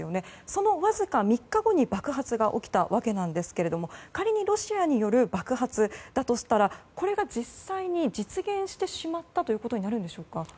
そのわずか３日後に爆発が起きたわけですが仮にロシアによる爆発だとしたらこれが実際に実現してしまったということになりますか。